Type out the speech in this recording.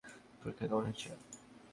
পরীক্ষা কেমন হয়েছে?